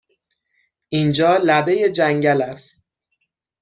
اینجا لبه جنگل است!